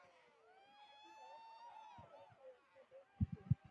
رینالډي: یوه شیبه صبر وکړه، یو شی به وڅښو.